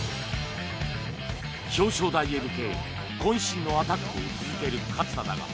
表彰台へ向け渾身のアタックを続ける勝田だが